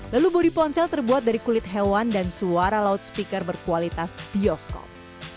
lalu bodi ponsel terbuat dari kulit hewan dan suara laut speaker berkualitas bioskop